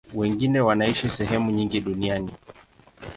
Wengine wanaishi sehemu nyingi duniani.